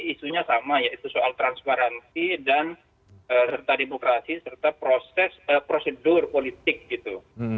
isunya sama yaitu soal transparansi dan serta demokrasi serta proses prosedur politik gitu